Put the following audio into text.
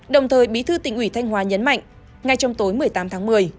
đồng thời bí thư tỉnh ủy thanh hóa nhấn mạnh ngay trong tối một mươi tám tháng một mươi